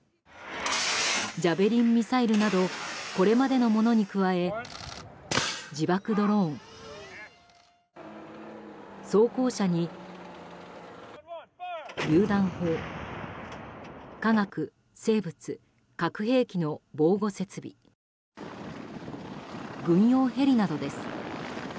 ジャベリンミサイルなどこれまでのものに加え自爆ドローン装甲車にりゅう弾砲化学・生物・核兵器の防護設備軍用ヘリなどです。